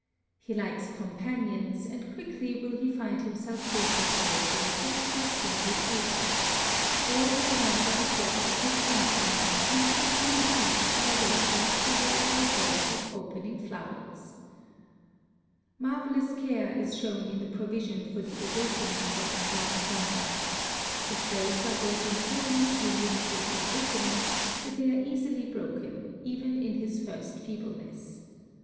He likes companions, and quickly will he find himself greeted by a Jason or splendid Ajax, or encounter a flock of his own kind, with whom he may feast by roadside puddle or beds of opening flowers. Marvelous care is shown in the provision for the awakening from its long slumber. The threads are woven so loosely near the place of opening that they are easily broken, even in his first feebleness.